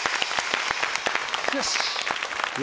よし！